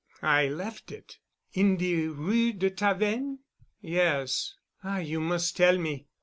"I left it——" "In the Rue de Tavennes?" "Yes." "Ah, you mus' tell me.